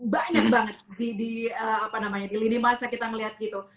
banyak banget di lini masa kita ngeliat gitu